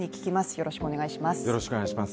よろしくお願いします。